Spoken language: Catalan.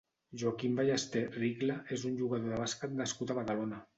Joaquim Ballester Rigla és un jugador de bàsquet nascut a Badalona.